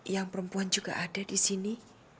yang perempuan juga ada disini